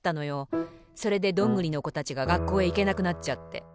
それでどんぐりのこたちががっこうへいけなくなっちゃって。